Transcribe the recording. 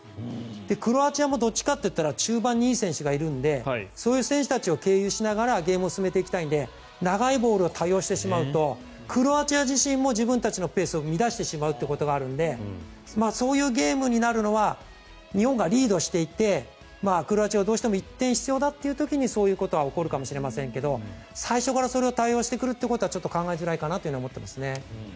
クロアチアもどっちかというと中盤にいい選手がいるのでそういう選手たちを経由しながらゲームを進めていきたいので長いボールを多用してしまうとクロアチア自身も自分たちのペースを乱してしまうというのがあるのでそういうゲームになるのは日本がリードしていてクロアチアがどうしても１点必要だという時にそういうことは起こるかもしれませんが最初からそれを多用してくるということはちょっと考えづらいかなと思ってますね。